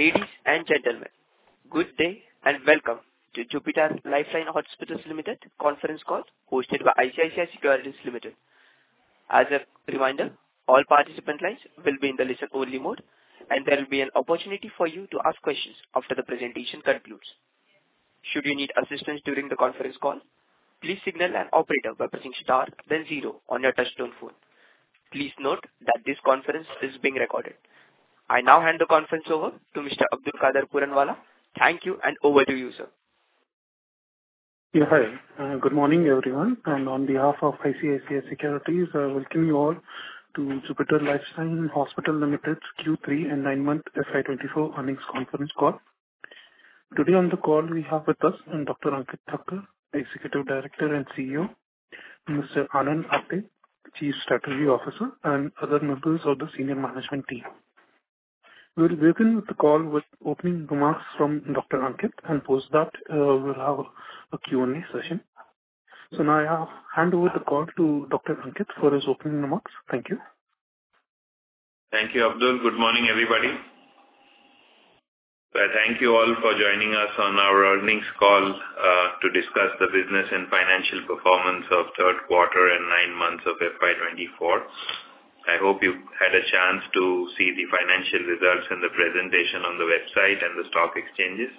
Ladies and gentlemen, good day, and welcome to Jupiter Life Line Hospitals Limited conference call hosted by ICICI Securities Limited. As a reminder, all participant lines will be in the listen-only mode, and there will be an opportunity for you to ask questions after the presentation concludes. Should you need assistance during the conference call, please signal an operator by pressing star then zero on your touchtone phone. Please note that this conference is being recorded. I now hand the conference over to Mr. Abdulkader Puranwala. Thank you, and over to you, sir. Yeah, hi, good morning, everyone, and on behalf of ICICI Securities, I welcome you all to Jupiter Life Line Hospitals Limited Q3 and nine-month FY 2024 earnings conference call. Today on the call we have with us, Dr. Ankit Thakker, Executive Director and CEO, Mr. Anand Apte, Chief Strategy Officer, and other members of the senior management team. We'll begin with the call with opening remarks from Dr. Ankit, and post that, we'll have a Q&A session. So now I hand over the call to Dr. Ankit for his opening remarks. Thank you. Thank you, Abdul. Good morning, everybody. So thank you all for joining us on our earnings call to discuss the business and financial performance of third quarter and nine months of FY 2024. I hope you've had a chance to see the financial results and the presentation on the website and the stock exchanges.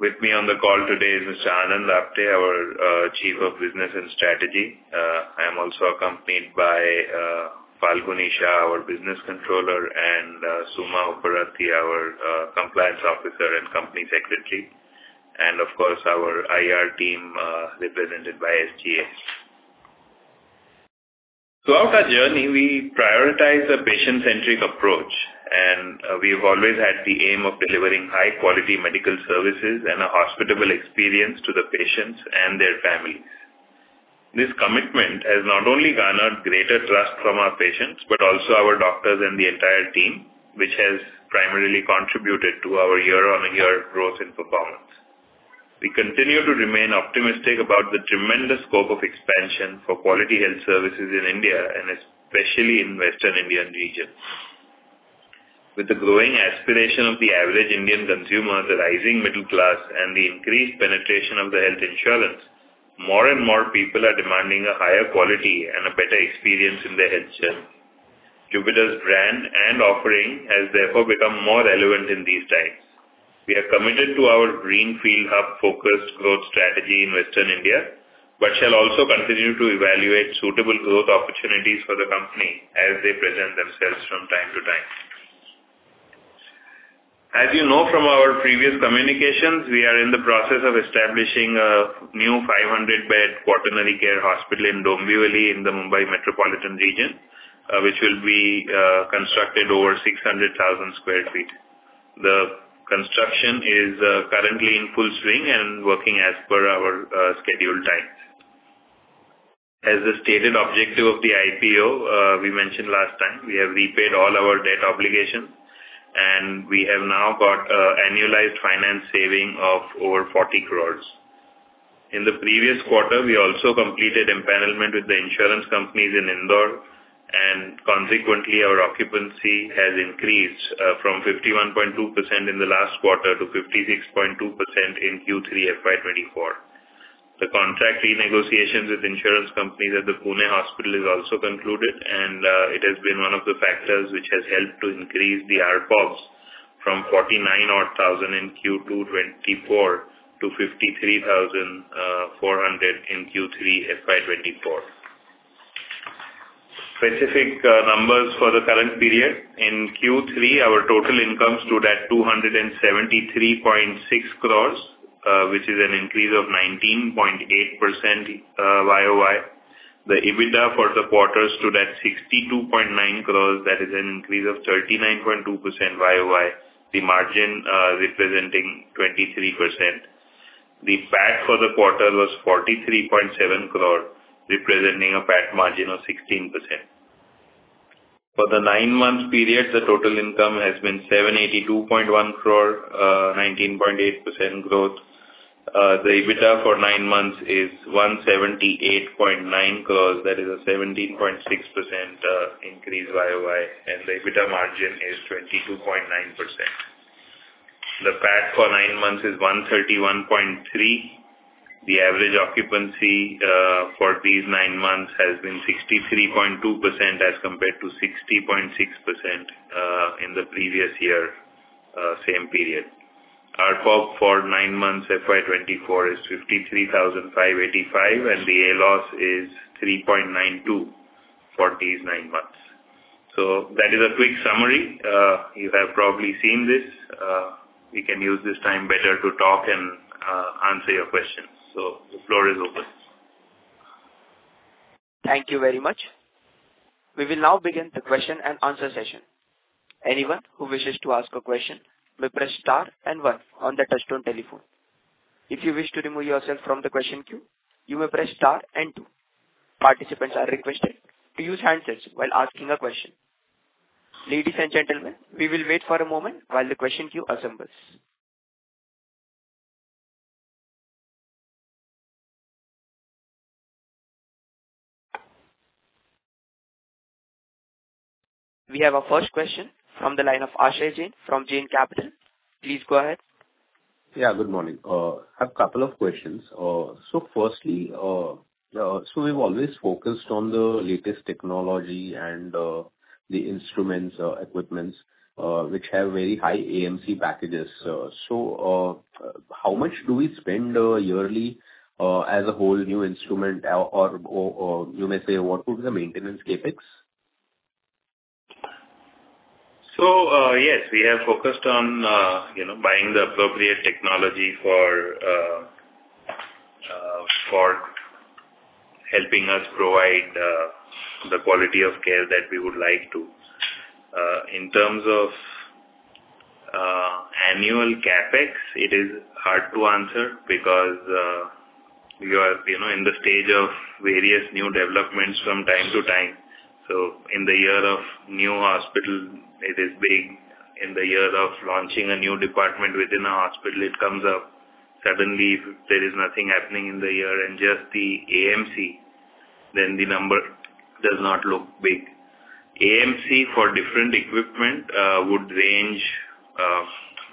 With me on the call today is Mr. Anand Apte, our Chief of Business and Strategy. I'm also accompanied by Falguni Shah, our Business Controller, and Suma Upparatti, our Compliance Officer and Company Secretary, and of course, our IR team represented by SGA. Throughout our journey, we prioritize a patient-centric approach, and we've always had the aim of delivering high-quality medical services and a hospitable experience to the patients and their families. This commitment has not only garnered greater trust from our patients, but also our doctors and the entire team, which has primarily contributed to our year-on-year growth and performance. We continue to remain optimistic about the tremendous scope of expansion for quality health services in India and especially in Western Indian region. With the growing aspiration of the average Indian consumer, the rising middle class, and the increased penetration of the health insurance, more and more people are demanding a higher quality and a better experience in their health care. Jupiter's brand and offering has therefore become more relevant in these times. We are committed to our greenfield hub-focused growth strategy in Western India, but shall also continue to evaluate suitable growth opportunities for the company as they present themselves from time to time. As you know from our previous communications, we are in the process of establishing a new 500-bed quaternary care hospital in Dombivli in the Mumbai metropolitan region, which will be constructed over 600,000 sq ft. The construction is currently in full swing and working as per our scheduled times. As the stated objective of the IPO, we mentioned last time, we have repaid all our debt obligations, and we have now got an annualized finance saving of over 40 crore. In the previous quarter, we also completed empanelment with the insurance companies in Indore, and consequently, our occupancy has increased from 51.2% in the last quarter to 56.2% in Q3 FY 2024. The contract renegotiations with insurance companies at the Pune hospital is also concluded, and, it has been one of the factors which has helped to increase the ARPOB from 49,000-odd in Q2 2024 to 53,400 in Q3 FY 2024. Specific numbers for the current period. In Q3, our total income stood at 273.6 crore, which is an increase of 19.8% YOY. The EBITDA for the quarter stood at 62.9 crore, that is an increase of 39.2% YOY, the margin representing 23%. The PAT for the quarter was 43.7 crore, representing a PAT margin of 16%. For the nine-month period, the total income has been 782.1 crore, 19.8% growth. The EBITDA for 9 months is 178.9 crores, that is a 17.6% increase YOY, and the EBITDA margin is 22.9%. The PAT for 9 months is 131.3 crores. The average occupancy for these 9 months has been 63.2% as compared to 60.6% in the previous year, same period. ARPOB for 9 months, FY 2024, is 53,585, and the ALOS is 3.92 for these 9 months. So that is a quick summary. You have probably seen this. We can use this time better to talk and answer your questions. So the floor is open. Thank you very much. We will now begin the question and answer session. Anyone who wishes to ask a question may press star and one on the touchtone telephone. If you wish to remove yourself from the question queue, you may press star and two. Participants are requested to use handsets while asking a question. Ladies and gentlemen, we will wait for a moment while the question queue assembles. We have our first question from the line of Akshay Jain from Jain Capital. Please go ahead. Yeah, good morning. I have a couple of questions. So firstly, so we've always focused on the latest technology and the instruments, equipment, which have very high AMC packages. So how much do we spend yearly as a whole new instrument or, or you may say, what would be the maintenance CapEx? Yes, we have focused on, you know, buying the appropriate technology for helping us provide the quality of care that we would like to. In terms of annual CapEx, it is hard to answer because we are, you know, in the stage of various new developments from time to time. So in the year of new hospital, it is big. In the year of launching a new department within a hospital, it comes up. Suddenly, there is nothing happening in the year and just the AMC, then the number does not look big. AMC for different equipment would range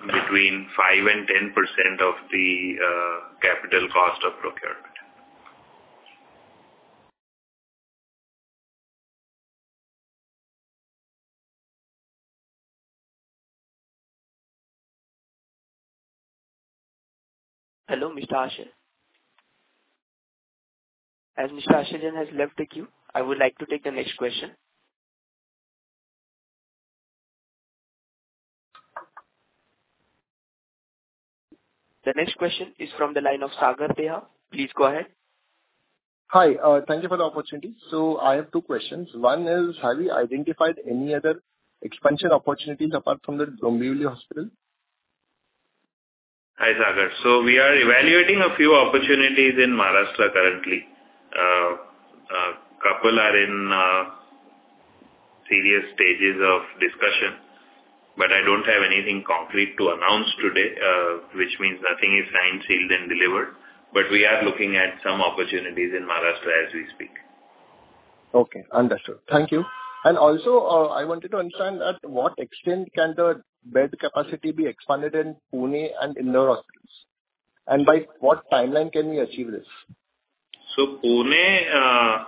between 5%-10% of the capital cost of procurement. Hello, Mr. Akshay. As Mr. Akshay has left the queue, I would like to take the next question. The next question is from the line of Sagar Deha. Please go ahead. Hi, thank you for the opportunity. I have two questions. One is: have you identified any other expansion opportunities apart from the Dombivli Hospital? Hi, Sagar. So we are evaluating a few opportunities in Maharashtra currently. A couple are in serious stages of discussion, but I don't have anything concrete to announce today, which means nothing is signed, sealed, and delivered. But we are looking at some opportunities in Maharashtra as we speak. Okay, understood. Thank you. And also, I wanted to understand at what extent can the bed capacity be expanded in Pune and Indore hospitals, and by what timeline can we achieve this? So Pune,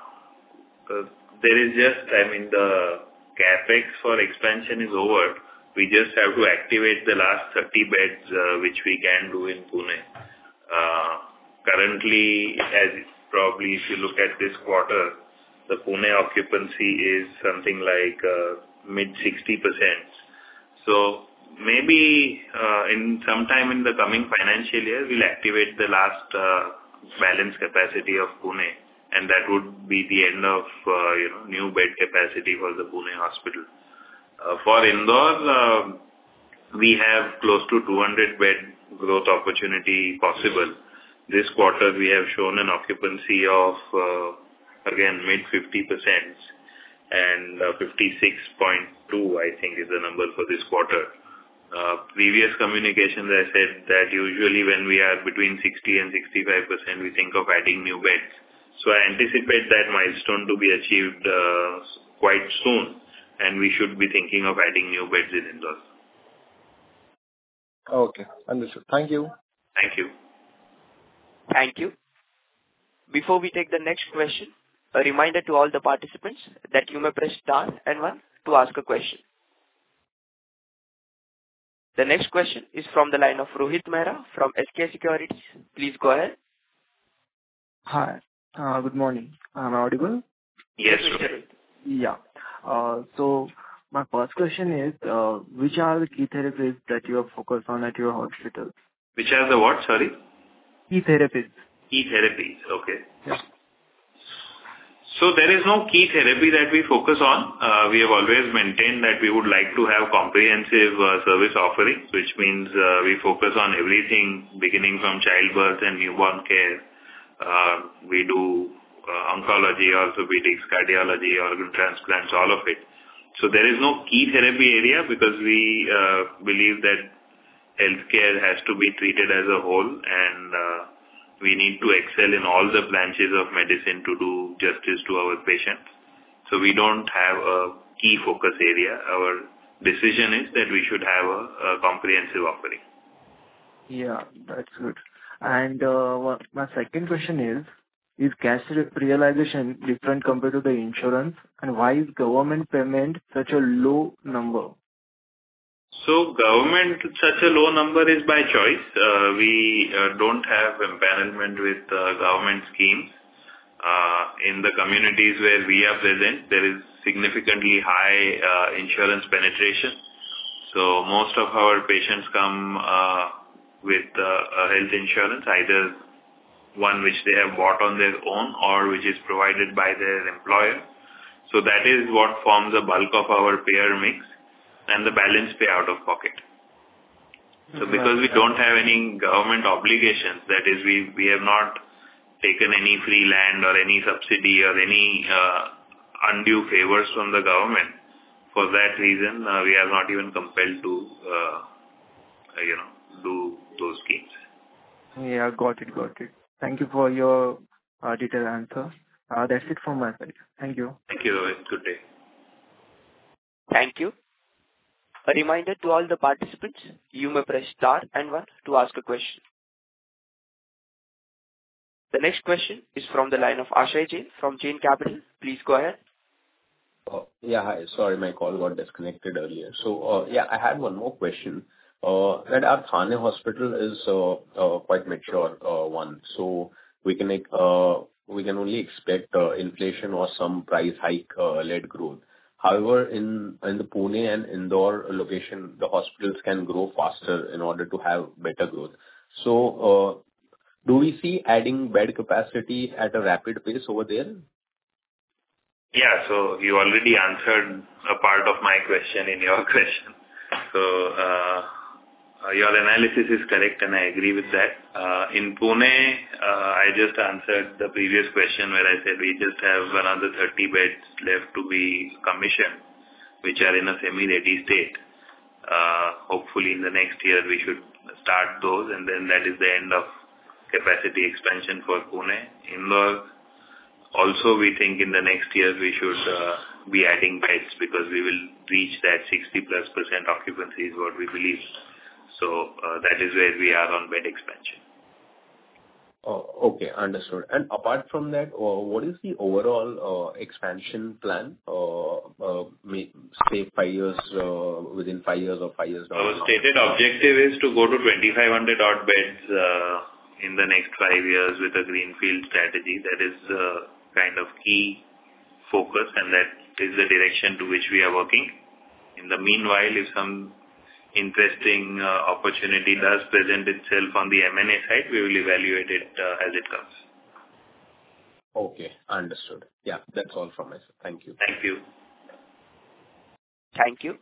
there is just... I mean, the CapEx for expansion is over. We just have to activate the last 30 beds, which we can do in Pune. Currently, as probably if you look at this quarter, the Pune occupancy is something like mid-60%. So maybe in sometime in the coming financial year, we'll activate the last balance capacity of Pune, and that would be the end of, you know, new bed capacity for the Pune hospital. For Indore, we have close to 200-bed growth opportunity possible. This quarter, we have shown an occupancy of, again, mid-50%, and 56.2, I think, is the number for this quarter. Previous communications I said that usually when we are between 60% and 65%, we think of adding new beds. So I anticipate that milestone to be achieved, quite soon, and we should be thinking of adding new beds in Indore. Okay, understood. Thank you. Thank you. Thank you. Before we take the next question, a reminder to all the participants that you may press star and one to ask a question. The next question is from the line of Rohit Mehra from SK Securities. Please go ahead. Hi. Good morning. Am I audible? Yes, Rohit. Yeah. So my first question is, which are the key therapies that you have focused on at your hospitals? Which are the what, sorry? Key therapies. Key therapies. Okay. Yeah. So there is no key therapy that we focus on. We have always maintained that we would like to have comprehensive, service offerings, which means, we focus on everything beginning from childbirth and newborn care. We do, oncology, orthopedics, cardiology, organ transplants, all of it. So there is no key therapy area because we, believe that healthcare has to be treated as a whole, and, we need to excel in all the branches of medicine to do justice to our patients. So we don't have a key focus area. Our decision is that we should have a, comprehensive offering. Yeah, that's good. My second question is, is cash realization different compared to the insurance, and why is government payment such a low number? So government, such a low number is by choice. We don't have empowerment with the government schemes. In the communities where we are present, there is significantly high insurance penetration. So most of our patients come with a health insurance, either one which they have bought on their own or which is provided by their employer. So that is what forms the bulk of our payer mix, and the balance pay out of pocket. So because we don't have any government obligations, that is, we have not taken any free land or any subsidy or any undue favors from the government. For that reason, we are not even compelled to, you know-... Yeah, got it, got it. Thank you for your detailed answer. That's it from my side. Thank you. Thank you, Rohit. Good day. Thank you. A reminder to all the participants, you may press star and one to ask a question. The next question is from the line of Akshay Jain from Jain Capital. Please go ahead. Yeah, hi. Sorry, my call got disconnected earlier. So, yeah, I had one more question. That our Thane Hospital is quite mature, so we can only expect inflation or some price hike led growth. However, in the Pune and Indore location, the hospitals can grow faster in order to have better growth. So, do we see adding bed capacity at a rapid pace over there? Yeah. So you already answered a part of my question in your question. So, your analysis is correct, and I agree with that. In Pune, I just answered the previous question where I said we just have another 30 beds left to be commissioned, which are in a semi-ready state. Hopefully, in the next year, we should start those, and then that is the end of capacity expansion for Pune. Indore, also, we think in the next year we should be adding beds because we will reach that 60+% occupancy is what we believe. So, that is where we are on bed expansion. Oh, okay, understood. Apart from that, what is the overall expansion plan, say, five years, within five years or five years down the line? Our stated objective is to go to 2,500 odd beds in the next five years with a greenfield strategy. That is the kind of key focus, and that is the direction to which we are working. In the meanwhile, if some interesting opportunity does present itself on the M&A side, we will evaluate it as it comes. Okay, understood. Yeah, that's all from my side. Thank you. Thank you. Thank you.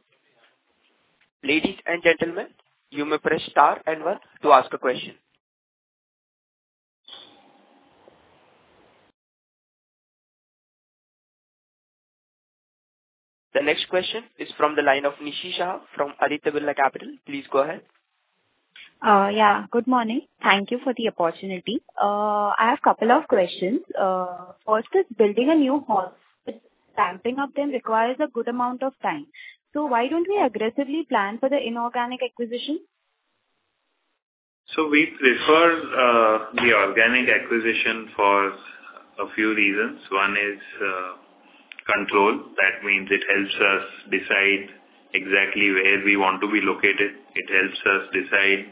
Ladies and gentlemen, you may press star and one to ask a question. The next question is from the line of Nishi Shah from Aditya Birla Capital. Please go ahead. Yeah. Good morning. Thank you for the opportunity. I have a couple of questions. First is building a new hospital, stamping of them requires a good amount of time. So why don't we aggressively plan for the inorganic acquisition? So we prefer the organic acquisition for a few reasons. One is control. That means it helps us decide exactly where we want to be located. It helps us decide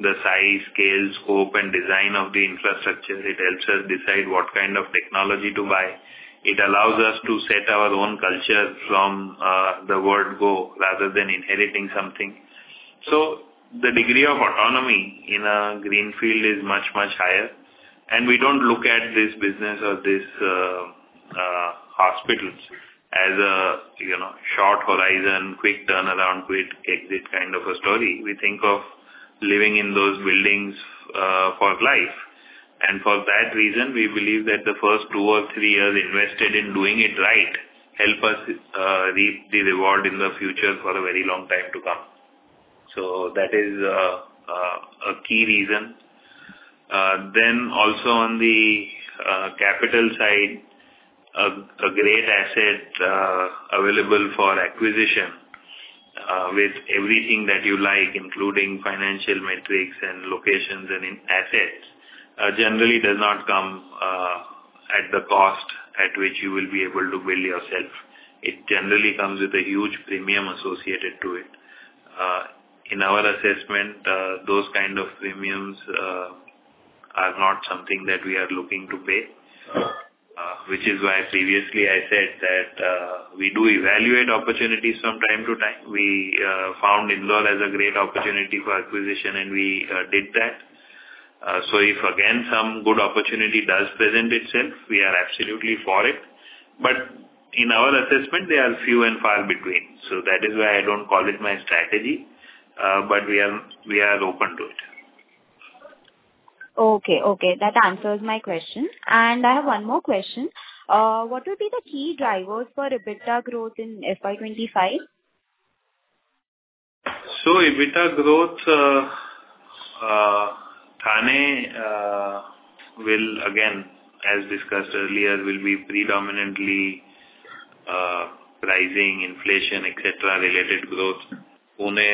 the size, scale, scope, and design of the infrastructure. It helps us decide what kind of technology to buy. It allows us to set our own culture from the word go, rather than inheriting something. So the degree of autonomy in a greenfield is much, much higher, and we don't look at this business or this hospital as a you know short horizon, quick turnaround, quick exit kind of a story. We think of living in those buildings for life, and for that reason, we believe that the first two or three years invested in doing it right help us reap the reward in the future for a very long time to come. So that is a key reason. Then also on the capital side, a great asset available for acquisition with everything that you like, including financial metrics and locations and in assets generally does not come at the cost at which you will be able to build yourself. It generally comes with a huge premium associated to it. In our assessment, those kind of premiums are not something that we are looking to pay, which is why previously I said that we do evaluate opportunities from time to time. We found Indore as a great opportunity for acquisition, and we did that. So if again, some good opportunity does present itself, we are absolutely for it. But in our assessment, they are few and far between. So that is why I don't call it my strategy, but we are, we are open to it. Okay, okay, that answers my question. I have one more question. What would be the key drivers for EBITDA growth in FY 25? So EBITDA growth, Thane will again, as discussed earlier, will be predominantly, pricing, inflation, et cetera, related growth. Pune,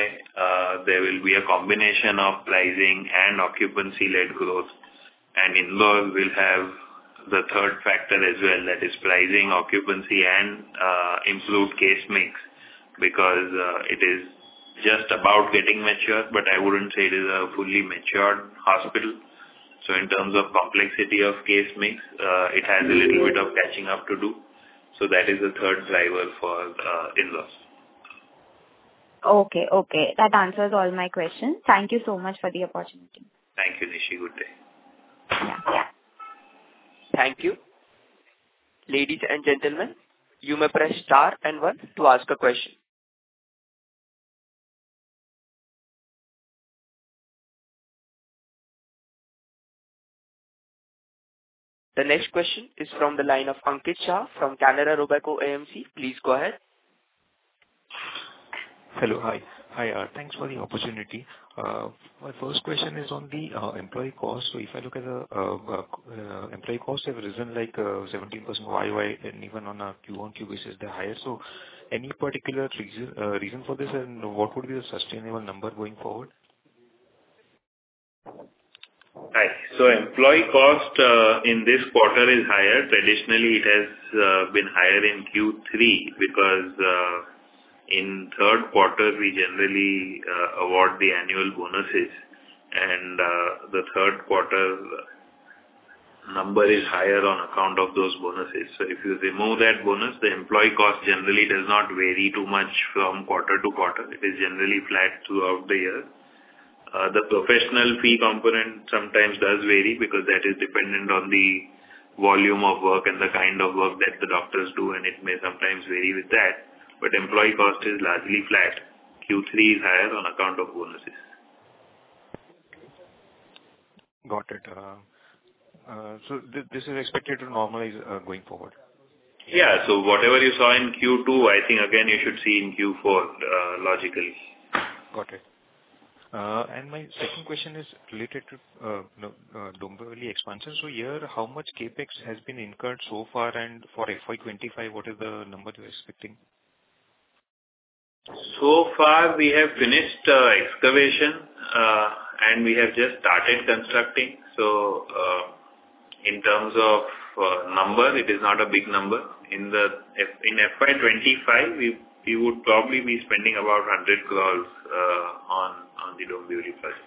there will be a combination of pricing and occupancy-led growth. And Indore will have the third factor as well, that is pricing, occupancy, and, improved case mix, because, it is just about getting mature, but I wouldn't say it is a fully matured hospital. So in terms of complexity of case mix, it has a little bit of catching up to do. So that is the third driver for, Indore. Okay, okay. That answers all my questions. Thank you so much for the opportunity. Thank you, Nishi. Good day. Yeah. Thank you. Ladies and gentlemen, you may press star and one to ask a question. The next question is from the line of Ankit Shah from Canara Robeco AMC. Please go ahead. Hello. Hi. Hi, thanks for the opportunity. My first question is on the employee cost. So if I look at the employee costs have risen, like, 17% YOY and even on a Q1 QoQ it's higher. So any particular reason, reason for this, and what would be the sustainable number going forward? Hi. So employee cost in this quarter is higher. Traditionally, it has been higher in Q3 because in third quarter, we generally award the annual bonuses and the third quarter number is higher on account of those bonuses. So if you remove that bonus, the employee cost generally does not vary too much from quarter to quarter. It is generally flat throughout the year. The professional fee component sometimes does vary because that is dependent on the volume of work and the kind of work that the doctors do, and it may sometimes vary with that, but employee cost is largely flat. Q3 is higher on account of bonuses. Got it. So this is expected to normalize going forward? Yeah. So whatever you saw in Q2, I think again you should see in Q4, logically. Got it. And my second question is related to Dombivli expansion. So here, how much CapEx has been incurred so far? And for FY 25, what is the number you're expecting? So far, we have finished excavation, and we have just started constructing. So, in terms of number, it is not a big number. In the FY 25, we would probably be spending about 100 crores on the Dombivli project.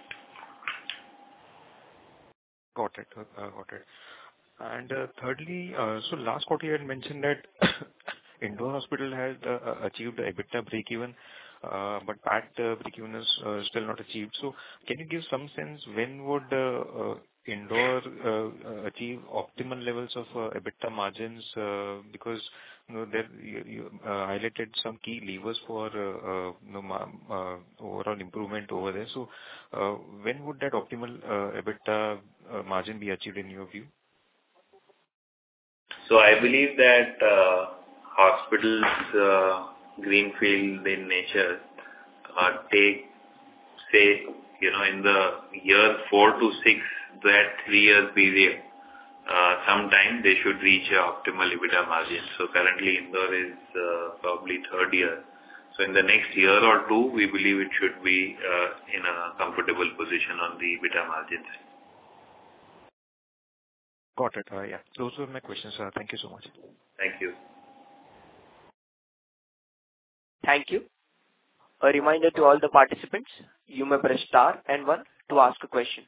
Got it. Got it. And, thirdly, so last quarter you had mentioned that Indore Hospital had achieved a EBITDA break even, but PAT break even is still not achieved. So can you give some sense, when would Indore achieve optimal levels of EBITDA margins? Because, you know, there you highlighted some key levers for, you know, overall improvement over there. So, when would that optimal EBITDA margin be achieved in your view? I believe that hospitals, greenfield in nature, take, say, you know, in the year 4 to 6, that 3-year period, sometime they should reach optimal EBITDA margins. Currently, Indore is probably third year. In the next year or 2, we believe it should be in a comfortable position on the EBITDA margins. Got it. Yeah, those were my questions. Thank you so much. Thank you. Thank you. A reminder to all the participants, you may press star and 1 to ask a question.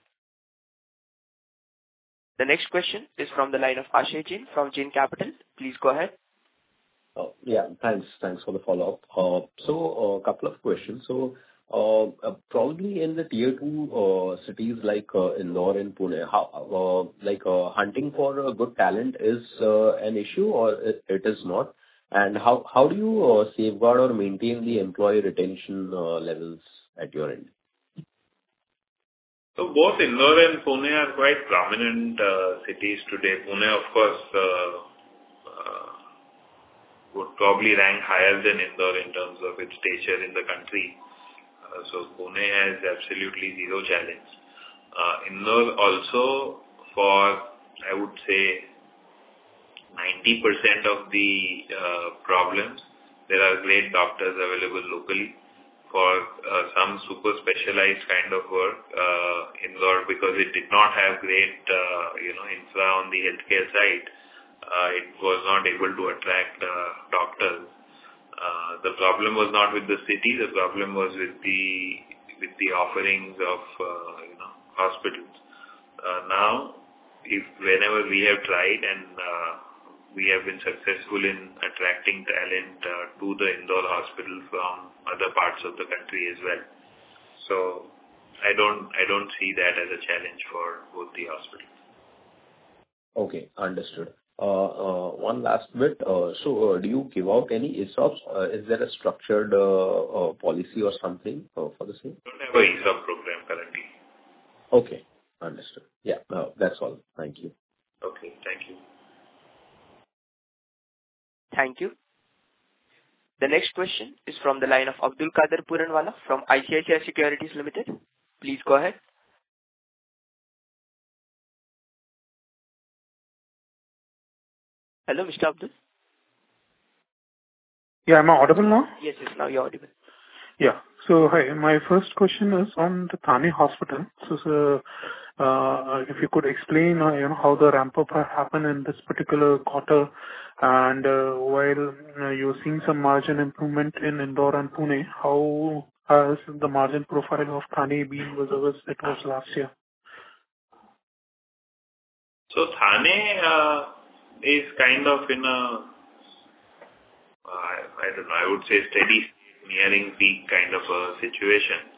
The next question is from the line of Akshay Jain from Jain Capital. Please go ahead. Yeah, thanks. Thanks for the follow-up. So, couple of questions. So, probably in the tier two cities like Indore and Pune, how like hunting for a good talent is an issue or it is not? And how do you safeguard or maintain the employee retention levels at your end? So both Indore and Pune are quite prominent cities today. Pune, of course, would probably rank higher than Indore in terms of its stature in the country. So Pune has absolutely zero challenge. Indore also for, I would say 90% of the problems, there are great doctors available locally for some super specialized kind of work. Indore, because it did not have great, you know, infra on the healthcare side, it was not able to attract doctors. The problem was not with the city, the problem was with the, with the offerings of, you know, hospitals. Now, if whenever we have tried and we have been successful in attracting talent to the Indore hospital from other parts of the country as well. I don't see that as a challenge for both the hospitals. Okay, understood. One last bit. So, do you give out any ESOPs? Is there a structured policy or something for the same? We don't have an ESOP program currently. Okay, understood. Yeah, that's all. Thank you. Okay, thank you. Thank you. The next question is from the line of Abdulkader Puranwala from ICICI Securities Limited. Please go ahead. Hello, Mr. Abdul. Yeah, am I audible now? Yes, yes, now you're audible. Yeah. So hi, my first question is on the Thane Hospital. So, if you could explain, you know, how the ramp-up has happened in this particular quarter, and, while, you're seeing some margin improvement in Indore and Pune, how has the margin profile of Thane been with us since last year? So Thane is kind of in a, I don't know, I would say steady, nearing peak kind of a situation.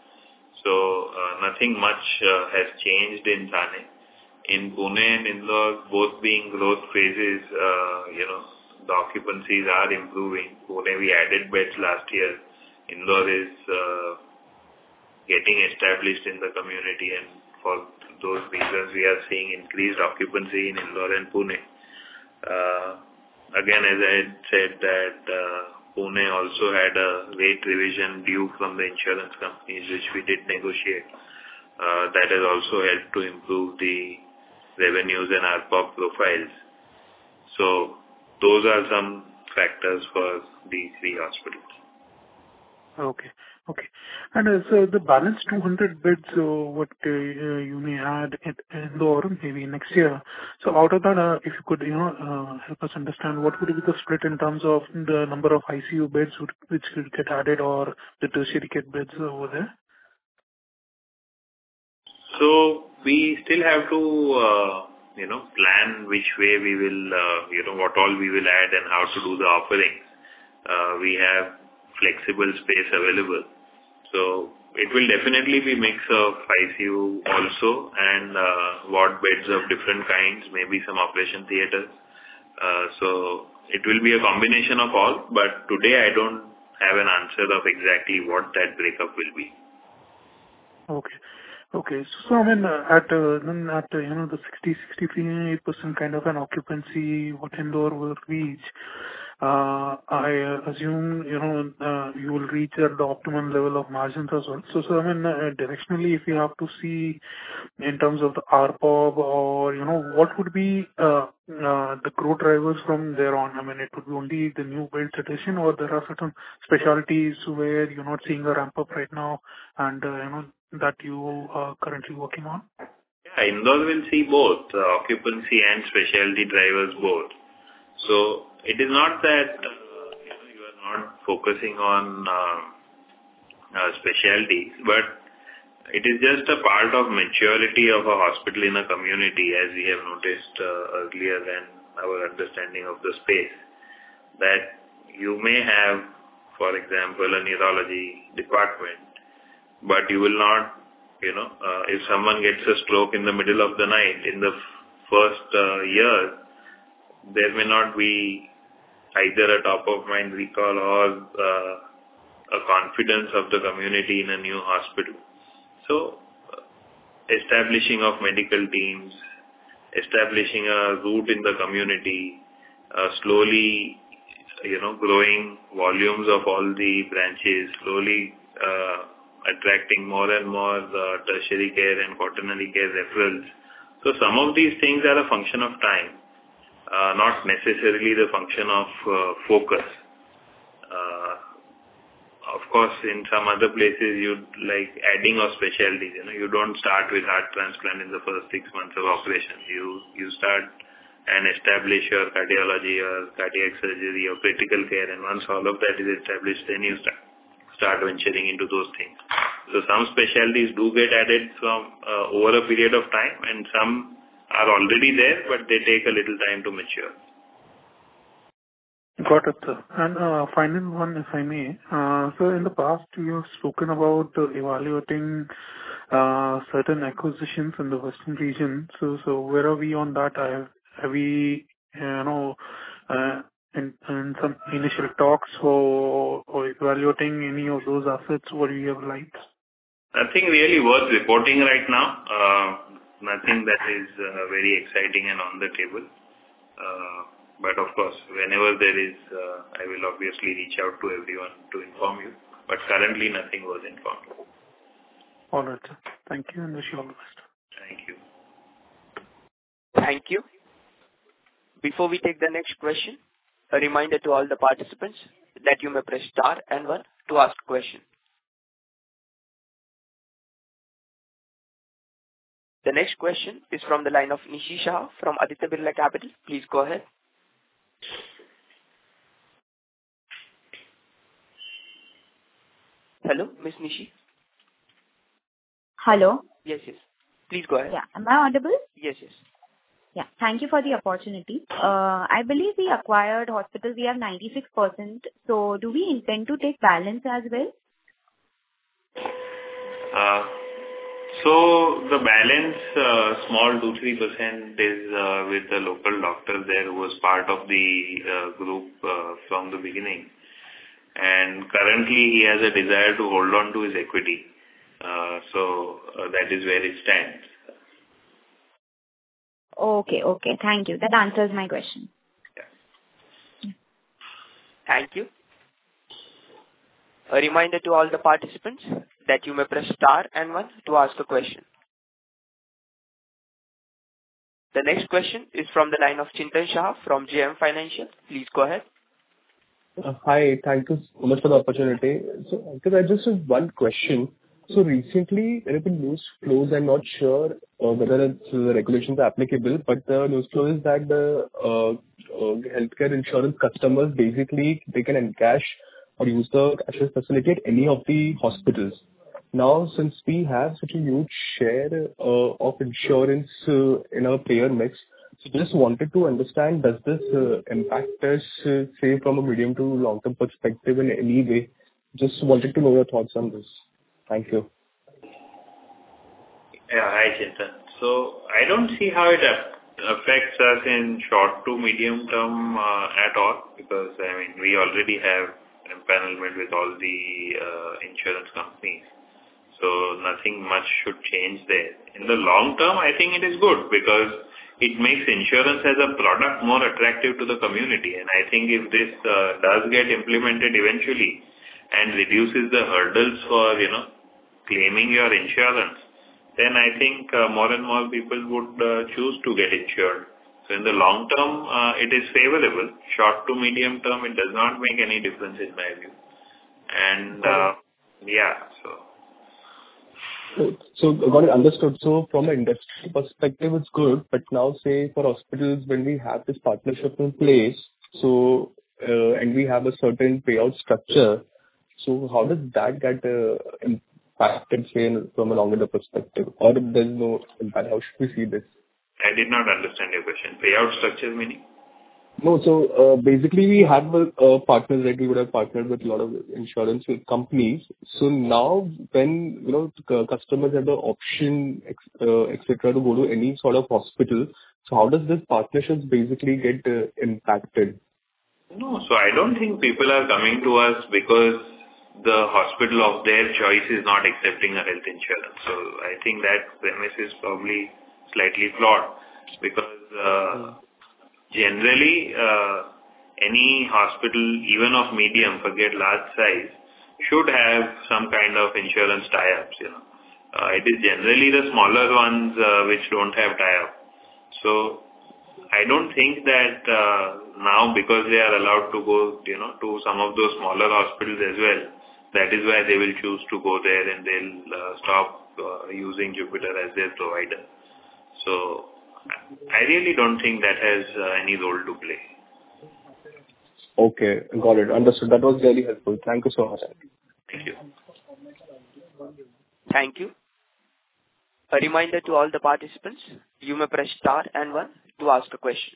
So nothing much has changed in Thane. In Pune and Indore, both being growth phases, you know, the occupancies are improving. Pune, we added beds last year. Indore is community, and for those reasons, we are seeing increased occupancy in Indore and Pune. Again, as I had said that, Pune also had a rate revision due from the insurance companies, which we did negotiate. That has also helped to improve the revenues and ARPOB profiles. So those are some factors for these three hospitals. Okay, okay. And, so the balance 200 beds, so what you may add at Indore maybe next year. So out of that, if you could, you know, help us understand what would be the split in terms of the number of ICU beds which will get added or the tertiary care beds over there? So we still have to, you know, plan which way we will, you know, what all we will add and how to do the offerings. We have flexible space available, so it will definitely be a mix of ICU also and, ward beds of different kinds, maybe some operation theaters. So it will be a combination of all, but today I don't have an answer of exactly what that breakup will be. Okay, okay. So I mean, at, then at, you know, the 60-68% kind of an occupancy, what Indore will reach, I assume, you know, you will reach at the optimum level of margins as well. So, so I mean, directionally, if you have to see in terms of the ARPOB or, you know, what would be, the growth drivers from there on? I mean, it could be only the new bed addition or there are certain specialties where you're not seeing a ramp-up right now and, you know, that you are currently working on? Yeah, Indore will see both, occupancy and specialty drivers both. So it is not that, you know, you are not focusing on, specialty, but it is just a part of maturity of a hospital in a community, as we have noticed, earlier than our understanding of the space. That you may have, for example, a neurology department, but you will not, you know, if someone gets a stroke in the middle of the night, in the first, year, there may not be either a top of mind recall or, a confidence of the community in a new hospital. So establishing of medical teams, establishing a root in the community, slowly, you know, growing volumes of all the branches, slowly, attracting more and more, tertiary care and quaternary care referrals. So some of these things are a function of time, not necessarily the function of focus. Of course, in some other places, you'd like adding a specialty. You know, you don't start with heart transplant in the first six months of operations. You start and establish your cardiology or cardiac surgery or critical care, and once all of that is established, then you start venturing into those things. So some specialties do get added from over a period of time, and some are already there, but they take a little time to mature. Got it, sir. And, final one, if I may. So in the past, you have spoken about evaluating certain acquisitions in the western region. So where are we on that? Have we, you know, in some initial talks or evaluating any of those assets where you have liked? Nothing really worth reporting right now. Nothing that is very exciting and on the table. But of course, whenever there is, I will obviously reach out to everyone to inform you, but currently nothing worth informing. All right, sir. Thank you, and wish you all the best. Thank you. Thank you. Before we take the next question, a reminder to all the participants that you may press star and one to ask question. The next question is from the line of Nishi Shah from Aditya Birla Capital. Please go ahead. Hello, Ms. Nishi? Hello. Yes, yes. Please go ahead. Yeah. Am I audible? Yes, yes. Yeah. Thank you for the opportunity. I believe the acquired hospitals are 96%, so do we intend to take balance as well? So the balance, small 2%-3% is with the local doctor there who was part of the group from the beginning. Currently, he has a desire to hold on to his equity, so that is where it stands. Okay, okay. Thank you. That answers my question. Yeah. Thank you. A reminder to all the participants that you may press Star and one to ask a question. The next question is from the line of Chintan Shah from JM Financial. Please go ahead. Hi. Thank you so much for the opportunity. So I just have one question. So recently, there have been news flows. I'm not sure whether the regulations are applicable, but the news flow is that the healthcare insurance customers, basically, they can encash or use the actual facility at any of the hospitals. Now, since we have such a huge share of insurance in our payer mix, so just wanted to understand, does this impact us, say, from a medium to long-term perspective in any way? Just wanted to know your thoughts on this. Thank you. Yeah. Hi, Chintan. So I don't see how it affects us in short to medium term at all, because, I mean, we already have empanelment with all the insurance companies, so nothing much should change there. In the long term, I think it is good because it makes insurance as a product more attractive to the community, and I think if this does get implemented eventually and reduces the hurdles for, you know, claiming your insurance, then I think more and more people would choose to get insured. So in the long term, it is favorable. Short to medium term, it does not make any difference in my view. And, yeah, so. So got it, understood. So from an industry perspective, it's good, but now say for hospitals, when we have this partnership in place, so and we have a certain payout structure, so how does that get impacted, say in from a longer perspective or there's no impact, how should we see this? I did not understand your question. Payout structure meaning? No, so basically we have a partner that we would have partnered with a lot of insurance companies. So now when, you know, customers have the option ex, et cetera, to go to any sort of hospital, so how does this partnerships basically get impacted? No, so I don't think people are coming to us because the hospital of their choice is not accepting a health insurance. So I think that premise is probably slightly flawed because, Mm. Generally, any hospital, even of medium, forget large size, should have some kind of insurance tie-ups, yeah. It is generally the smaller ones which don't have tie-up. So I don't think that, now because they are allowed to go, you know, to some of those smaller hospitals as well, that is why they will choose to go there and they'll stop using Jupiter as their provider. So I really don't think that has any role to play. Okay, got it. Understood. That was really helpful. Thank you so much. Thank you. Thank you. A reminder to all the participants, you may press star and one to ask a question.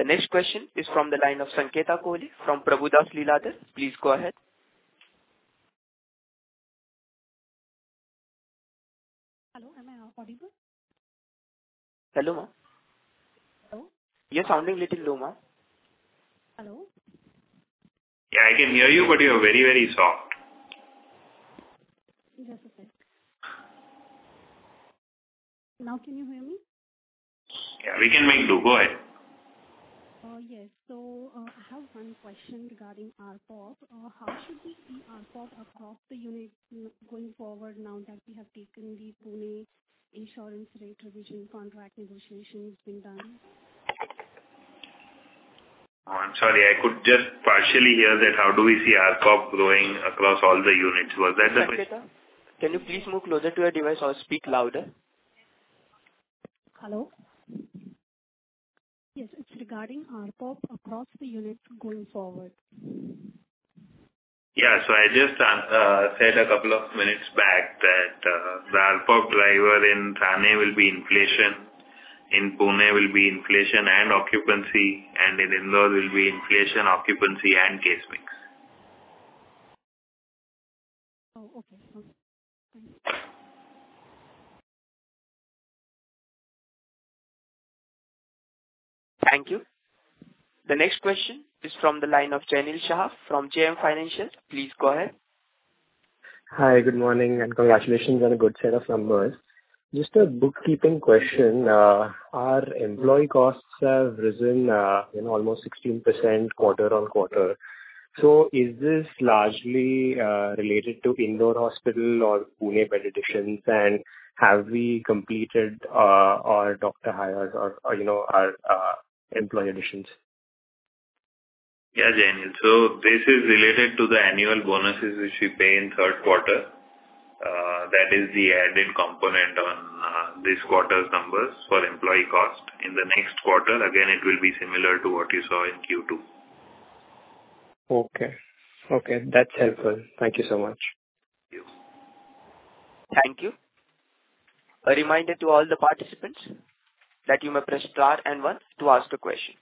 The next question is from the line of Sanketa Kohale from Prabhudas Lilladher. Please go ahead. Hello, am I audible? Hello, ma'am. Hello? You're sounding little low, ma'am. Hello. Yeah, I can hear you, but you're very, very soft. Just a second. Now can you hear me? Yeah, we can make do. Go ahead. Yes. So, I have one question regarding ARPOB. How should we see ARPOB across the unit going forward now that we have taken the Pune insurance rate revision contract negotiation has been done? Oh, I'm sorry. I could just partially hear that. How do we see ARPOB growing across all the units? Was that the question? Can you please move closer to your device or speak louder? Hello? Yes, it's regarding ARPOB across the units going forward. Yeah. So I just said a couple of minutes back that the ARPOB driver in Thane will be inflation, in Pune will be inflation and occupancy, and in Indore will be inflation, occupancy, and case mix. Oh, okay. Thank you. Thank you. The next question is from the line of Jinal Shah from JM Financial. Please go ahead. Hi, good morning, and congratulations on a good set of numbers. Just a bookkeeping question. Our employee costs have risen in almost 16% quarter-on-quarter. So is this largely related to Indore Hospital or Pune pediatricians? And have we completed our doctor hires or, or, you know, our employee additions? Yeah, Janil. So this is related to the annual bonuses, which we pay in third quarter. That is the add-in component on this quarter's numbers for employee cost. In the next quarter, again, it will be similar to what you saw in Q2. Okay. Okay, that's helpful. Thank you so much. Thank you. Thank you. A reminder to all the participants that you may press star and one to ask a question.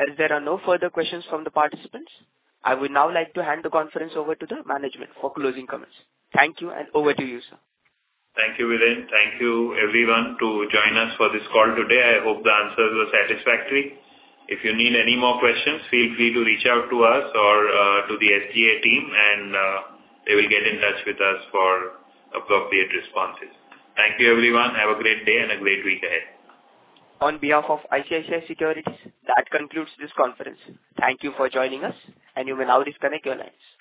As there are no further questions from the participants, I would now like to hand the conference over to the management for closing comments. Thank you, and over to you, sir. Thank you, Vinay. Thank you everyone to join us for this call today. I hope the answers were satisfactory. If you need any more questions, feel free to reach out to us or, to the SGA team, and, they will get in touch with us for appropriate responses. Thank you, everyone. Have a great day and a great week ahead. On behalf of ICICI Securities, that concludes this conference. Thank you for joining us, and you may now disconnect your lines.